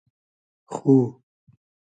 خو